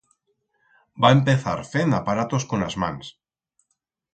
Va empezar fend aparatos con las mans.